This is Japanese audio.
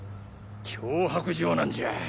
脅迫状なんじゃ。